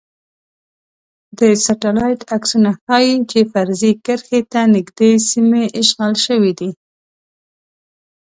د سټلایټ عکسونه ښايی چې فرضي کرښې ته نږدې سیمې اشغال شوي دي